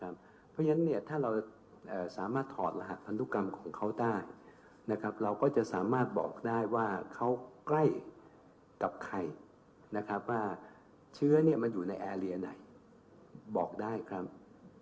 เพราะฉะนั้นเนี่ยถ้าเราสามารถถอดรหัสพันธุกรรมของเขาได้นะครับเราก็จะสามารถบอกได้ว่าเขาใกล้กับใครนะครับว่าเชื้อมันอยู่ในแอร์เรียไหนบอกได้ครับ